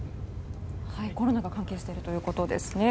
コロナが関係しているということですね。